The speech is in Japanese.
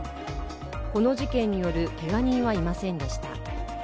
この事件によるけが人はいませんでした。